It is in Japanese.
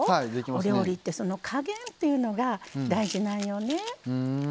お料理ってその加減っていうのが大事なんよね。